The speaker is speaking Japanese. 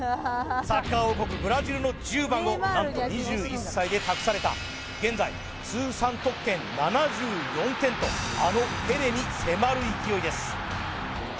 サッカー王国ブラジルの１０番を何と２１歳で託された現在通算得点７４点とあのペレに迫る勢いです